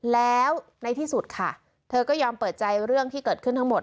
แล้วในที่สุดค่ะเธอก็ยอมเปิดใจเรื่องที่เกิดขึ้นทั้งหมด